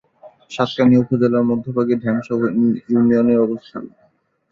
সাতকানিয়া উপজেলার মধ্যভাগে ঢেমশা ইউনিয়নের অবস্থান।